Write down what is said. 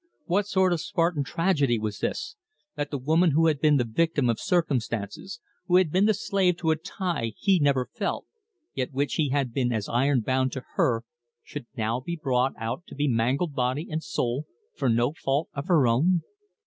What sort of Spartan tragedy was this, that the woman who had been the victim of circumstances, who had been the slave to a tie he never felt, yet which had been as iron bound to her, should now be brought out to be mangled body and soul for no fault of her own?